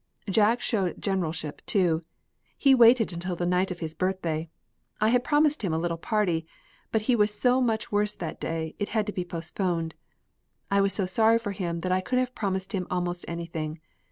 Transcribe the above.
Jack showed generalship, too. He waited until the night of his birthday. I had promised him a little party, but he was so much worse that day, it had to be postponed. I was so sorry for him that I could have promised him almost anything.